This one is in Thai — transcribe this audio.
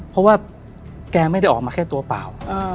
เพราะว่าแกไม่ได้ออกมาแค่ตัวเปล่า